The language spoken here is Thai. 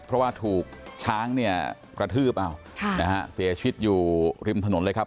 เพราะว่าถูกช้างกระทืบเสียชีวิตอยู่ริมถนนเลยครับ